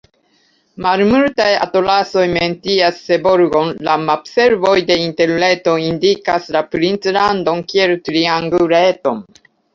Malmultaj atlasoj mencias Seborgon; la mapservoj de Interreto indikas la princlandon kiel trianguleton.